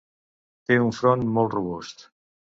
Té un front molt robust.